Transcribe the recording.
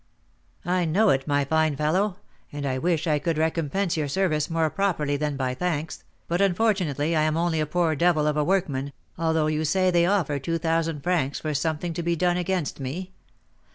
"I know it, my fine fellow, and I wish I could recompense your service more properly than by thanks; but, unfortunately, I am only a poor devil of a workman, although you say they offer two thousand francs for something to be done against me.